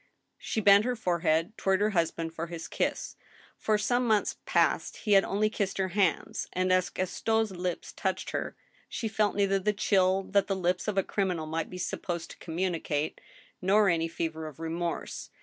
She bent her forehead toward her husband for his kiss ; for some months past he had only kissed her hands, and as Gaston's lips touched her she felt neither the chill that the lips of a criminal might be supposed to communicate, nor any fever of remorse.